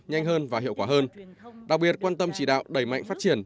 nhanh hơn và hiệu quả hơn đặc biệt quan tâm chỉ đạo đẩy mạnh phát triển